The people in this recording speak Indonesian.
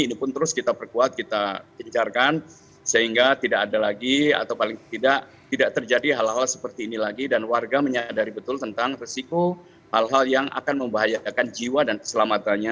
ini pun terus kita perkuat kita kejarkan sehingga tidak ada lagi atau paling tidak tidak terjadi hal hal seperti ini lagi dan warga menyadari betul tentang resiko hal hal yang akan membahayakan jiwa dan keselamatannya